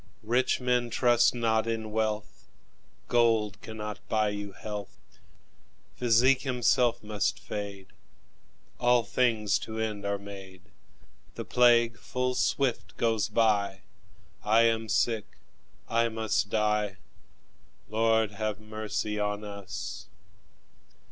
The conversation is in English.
Rich men, trust not in wealth, Gold cannot buy you health; Physic himself must fade; All things to end are made; The plague full swift goes by; I am sick, I must die Lord, have mercy on us!